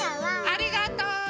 ありがとう。